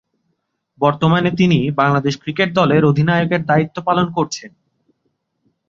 বর্তমানে তিনি বাংলাদেশ ক্রিকেট দলের অধিনায়কের দায়িত্ব পালন করছেন।